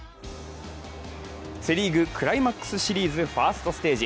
セ・リーグ、クライマックスシリーズファーストステージ。